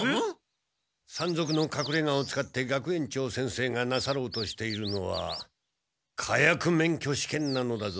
山賊のかくれがを使って学園長先生がなさろうとしているのは火薬免許試験なのだぞ。